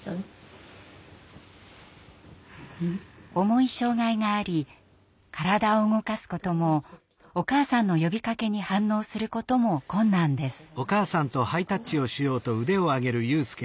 重い障害があり体を動かすこともお母さんの呼びかけに反応することも困難です。